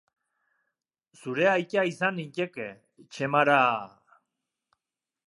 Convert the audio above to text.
Zure aita izan ninteke, Chmara...